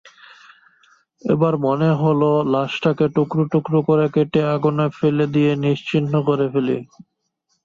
একবার মনে হল লাশটাকে টুকরো টুকরো করে কেটে আগুনে ফেলে দিয়ে নিশ্চিহ্ন করে ফেলি।